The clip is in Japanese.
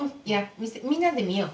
みんなで見よう。